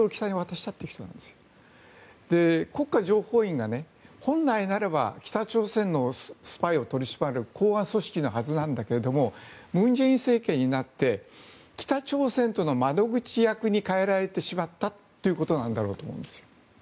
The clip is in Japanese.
国家情報院が、本来ならば北朝鮮のスパイを取り締まる公安組織のはずなんだけど文在寅政権になって北朝鮮との窓口役に変えられてしまったということなんだと思うんです。